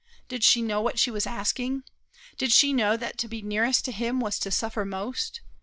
Did she know what she was asking? Did she know that to be nearest to him was to suffer most?